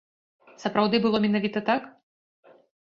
Сапраўды было менавіта так?